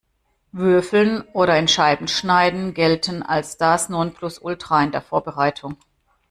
Würfeln oder in Scheiben schneiden gelten als das Nonplusultra in der Vorbereitung.